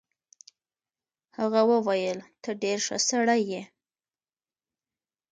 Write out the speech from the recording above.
هغه وویل ته ډېر ښه سړی یې.